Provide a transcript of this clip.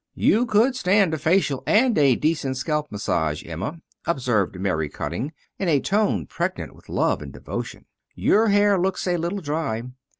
"You could stand a facial and a decent scalp massage, Emma," observed Mary Cutting in a tone pregnant with love and devotion. "Your hair looks a little dry.